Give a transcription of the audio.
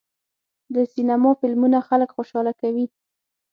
د سینما فلمونه خلک خوشحاله کوي.